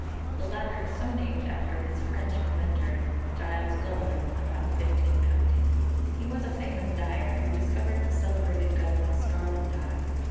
The latter is so named after its French inventor, Giles Gobelin, about 1520. He was a famous dyer who discovered the celebrated Gobelin's scarlet dye.